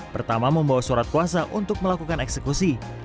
pertama membawa surat kuasa untuk melakukan eksekusi